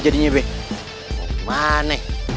masih sama lan